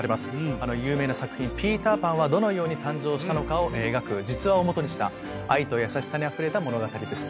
あの有名な作品『ピーターパン』はどのように誕生したのかを描く実話を基にした愛と優しさにあふれた物語です。